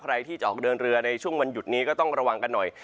ใครที่จะออกเดินเรือในช่วงวันหยุดนี้ก็ต้องระวังกันหน่อย